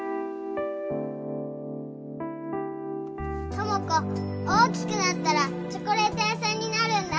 友子大きくなったらチョコレート屋さんになるんだ！